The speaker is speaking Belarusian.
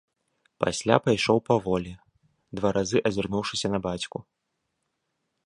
Пасля пайшоў паволі, два разы азірнуўшыся на бацьку.